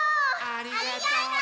ありがとう！